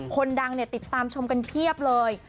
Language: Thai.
คนดังติดตามชมกันเพียบเลย